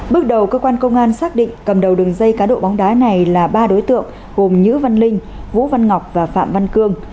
bước đầu cơ quan công an xác định cầm đầu đường dây cá độ bóng đá này là ba đối tượng gồm nhữ văn linh vũ văn ngọc và phạm văn cương